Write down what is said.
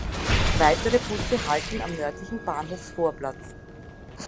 Weitere Busse halten am nördlichen Bahnhofsvorplatz.